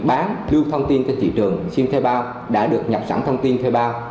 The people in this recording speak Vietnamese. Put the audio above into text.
bán lưu thông tin trên thị trường sim thuê bao đã được nhập sẵn thông tin thuê bao